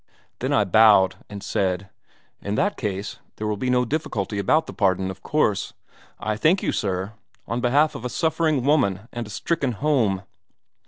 Then I bowed and said: 'In that case, there will be no difficulty about the pardon, of course. I thank you, sir, on behalf of a suffering woman and a stricken home.'